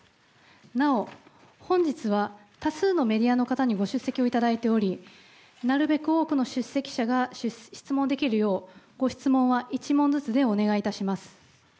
なお、本日は多数のメディアの方にご出席をいただいており、なるべく多くの出席者が質問できるよう、ご質問は１問ずつでお願いいたします。